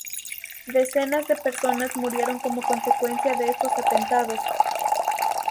Decenas de personas murieron como consecuencia de estos atentados.